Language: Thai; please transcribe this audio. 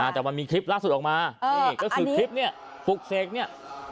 แต่มันมีคลิปล่าสุดออกมานี่ก็คือคลิปเนี่ยปลุกเสกเนี่ย